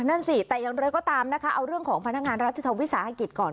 นั่นสิแต่อย่างไรก็ตามนะคะเอาเรื่องของพนักงานรัฐวิสาหกิจก่อน